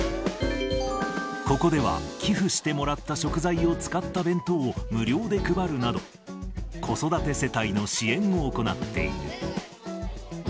ここでは、寄付してもらった食材を使った弁当を無料で配るなど、子育て世帯の支援を行っている。